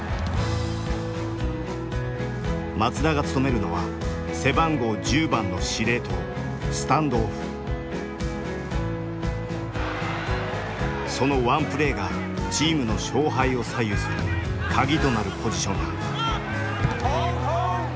松田が務めるのは背番号１０番のそのワンプレーがチームの勝敗を左右する鍵となるポジションだ。